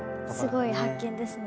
すごい発見ですね。